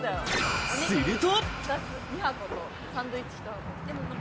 すると。